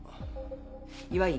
岩井。